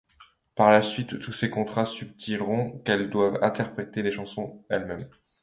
Par la suite, tous ses contrats stipuleront qu'elle doit interpréter ses chansons elle-même.